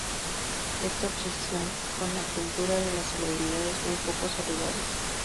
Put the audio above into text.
Esta obsesión con la cultura de la celebridad es muy poco saludable.